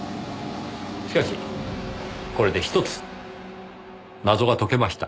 しかしこれでひとつ謎が解けました。